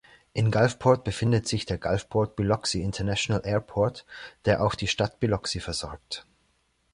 In Gulfport befindet sich der Gulfport-Biloxi International Airport, der auch die Stadt Biloxi versorgt.